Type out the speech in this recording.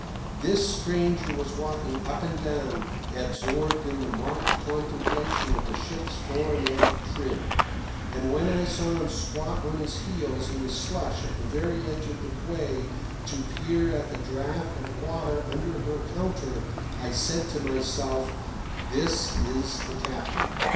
This stranger was walking up and down absorbed in the marked contemplation of the ship's fore and aft trim; but when I saw him squat on his heels in the slush at the very edge of the quay to peer at the draught of water under her counter, I said to myself, "This is the captain."